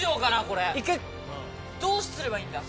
これどうすればいいんだ？